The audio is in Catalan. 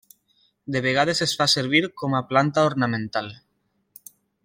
De vegades es fa servir com a planta ornamental.